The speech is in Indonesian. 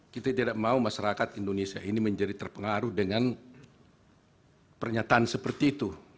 kita tidak mau masyarakat indonesia ini menjadi terpengaruh dengan pernyataan seperti itu